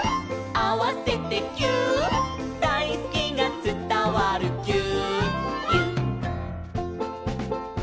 「あわせてぎゅーっ」「だいすきがつたわるぎゅーっぎゅっ」